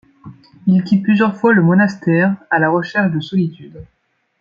Il quitte plusieurs fois le monastère, à la recherche de solitude.